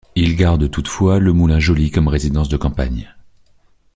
Ils gardent toutefois le Moulin-Joly comme résidence de campagne.